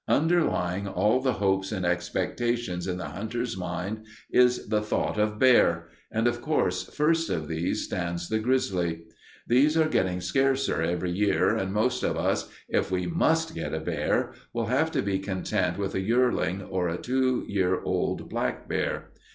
Underlying all the hopes and expectations in the hunter's mind is the thought of bear, and of course first of these stands the grizzly. These are getting scarcer every year, and most of us, if we must get a bear, will have to be content with a yearling or a two year old black bear.